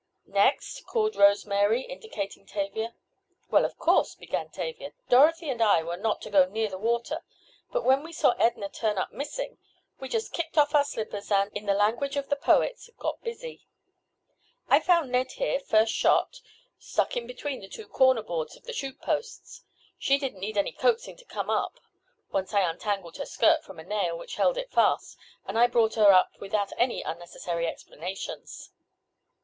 "Next," called Rose Mary, indicating Tavia. "Well, of course," began Tavia, "Dorothy and I were not to go near the water, but when we saw Edna turn up missing we just kicked off our slippers and, in the language of the poets, 'got busy.' I found Ned here, first shot, stuck in between the two corner boards of the chute posts. She didn't need any coaxing to come up, once I untangled her skirt from a nail which held it fast, and I brought her up without any unnecessary explanations."